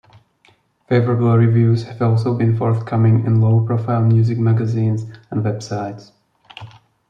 Favourable reviews have also been forthcoming in low profile music magazines and websites.